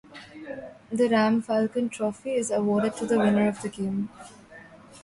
The Ram-Falcon Trophy is awarded to the winner of the game.